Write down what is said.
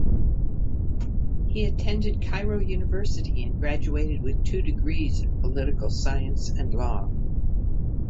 He attended Cairo University and graduated with two degrees in political science and law.